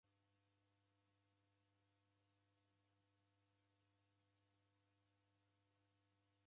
W'elee, nikii chishekeriagha agho mabonyo?